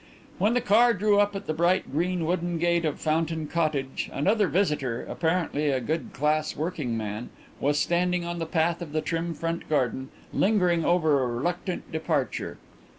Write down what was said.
When the car drew up at the bright green wooden gate of Fountain Cottage another visitor, apparently a good class working man, was standing on the path of the trim front garden, lingering over a reluctant departure.